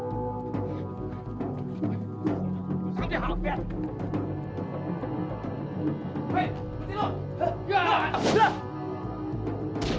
bersamanya hal kelihatan